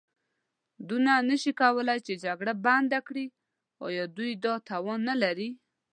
دوی نه شي کولای چې جګړه بنده کړي، ایا دوی دا توان نه لري؟